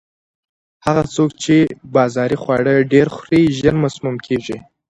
هغه څوک چې بازاري خواړه ډېر خوري، ژر مسموم کیږي.